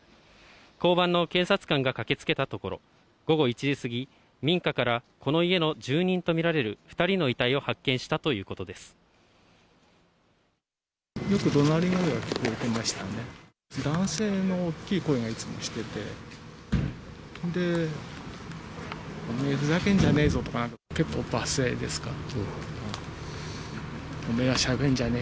交番の警察官が駆けつけたところ、午後１時過ぎ、民家からこの家の住人と見られる２人の遺体を発見したということよくどなり声が聞こえてましたね。